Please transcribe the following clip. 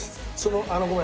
あのごめん。